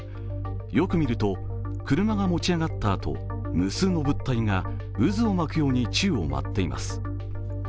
よく見ると、車が持ち上がったあと無数の物体が渦を巻くように宙を舞っています。